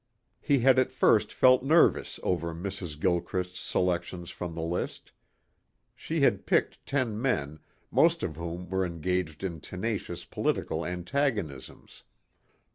He had at first felt nervous over Mrs. Gilchrist's selections from his list. She had picked ten men, most of whom were engaged in tenacious political antagonisms.